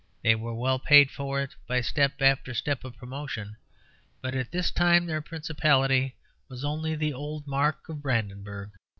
They were well paid for it by step after step of promotion; but at this time their principality was only the old Mark of Brandenburg.